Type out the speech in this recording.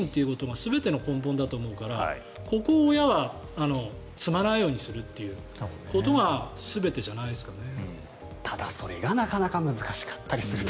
好奇心というのが全ての根本だと思うからここを親は摘まないようにするというのが全てじゃないですかね。